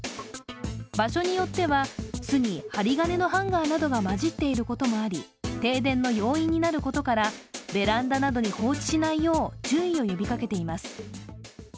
場所によっては、巣に針金のハンガーなどが交じっていることもあり停電の要因になることからベランダなどに放置しないよう注意を呼びかけています。